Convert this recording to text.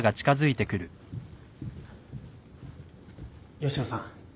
吉野さん。